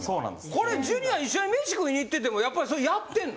これジュニア一緒に飯食いに行っててもやっぱりそれやってんの？